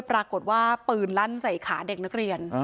ปรากฏว่าปืนลั่นใส่ขาเด็กนักเรียน